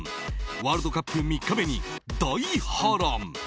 ワールドカップ３日目に大波乱！